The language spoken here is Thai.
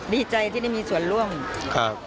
ดีใจที่ได้มีส่วนร่วมครับ